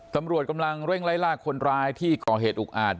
ตำรวจกำลังเร่งไล่ลากคนร้ายที่ก่อเหตุอุกอาจ